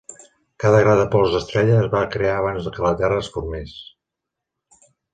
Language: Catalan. Cada gra de pols d'estrella es va crear abans que la Terra es formés.